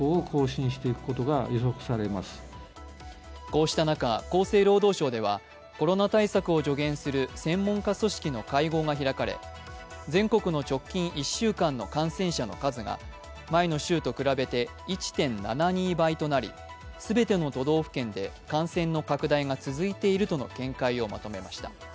こうした中厚生労働省ではコロナ対策を助言する専門家組織の会合が開かれ全国の直近１週間の感染者の数が前の週と比べて１．７２倍となり、全ての都道府県で感染の拡大が続いているとの見解をまとめました。